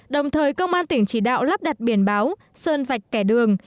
đồng thời công an tỉnh chỉ đạo lắp đặt biển báo sơn vạch kẻ đường